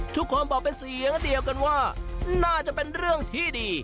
ทุกคนบอกเป็นเสียงเดียวกันว่าน่าจะเป็นเรื่องที่ดี